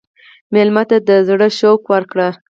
مېلمه ته د زړه شوق ورکړه.